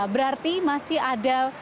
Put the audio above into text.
berarti masih ada